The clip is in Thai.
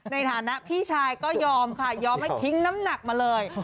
ในฐานะพี่ชายก็ยอมค่ะยอมให้ทิ้งน้ำหนักมาเลย